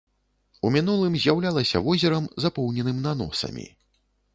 У мінулым з'яўлялася возерам, запоўненым наносамі.